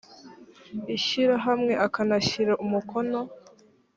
ishyirahamwe akanashyira umukono